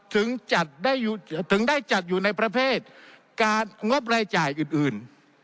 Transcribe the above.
ถึงได้จัดอยู่ในประเภทงบรายจ่ายอื่น